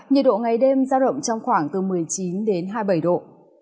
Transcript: nhiệt độ ngày đêm giao động trong khoảng từ một mươi chín đến hai mươi bảy độ